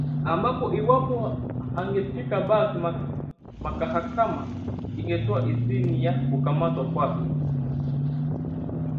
ambapo iwapo hangefika basi makahakama ingetoa idhini ya kukamatwa kwake